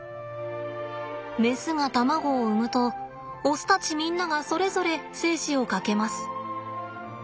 メスが卵を産むとオスたちみんながそれぞれ精子をかけます。